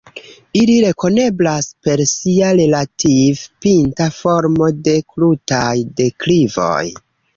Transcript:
Ili rekoneblas per sia relative pinta formo de krutaj deklivoj.